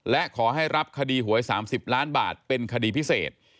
และขอให้รับคดีหวย๓๐ล้านบาทเป็นคดีพิเศษ